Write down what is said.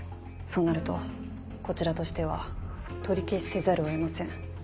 そうなるとこちらとしては取り消しせざるを得ません。